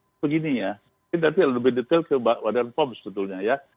bapak ini tadi lebih detail ke badan pom sebetulnya ya